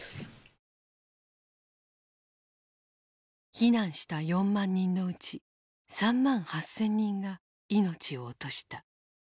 避難した４万人のうち３万８，０００人が命を落とした。